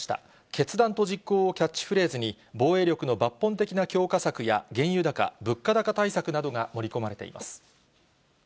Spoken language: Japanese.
決断と実行。をキャッチフレーズに、防衛力の抜本的な強化策や、原油高、物価高対策などが盛り込まれています。